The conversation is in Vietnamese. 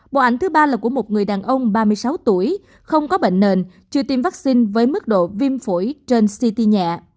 bộ ảnh thứ ba là của một người đàn ông ba mươi sáu tuổi không có bệnh nền chưa tiêm vaccine với mức độ viêm phổi trên ct nhẹ